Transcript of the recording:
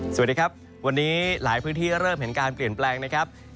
สวัสดีครับวันนี้หลายพื้นที่เริ่มเห็นการเปลี่ยนแปลงนะครับ